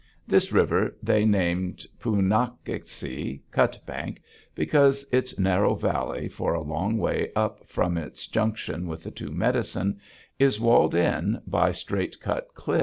This river they named Pu nak´ ik si (Cutbank), because its narrow valley for a long way up from its junction with the Two Medicine is walled in by straight cut cliffs.